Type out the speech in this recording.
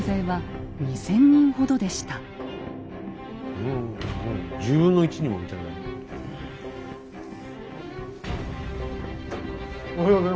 ふん１０分の１にも満たない。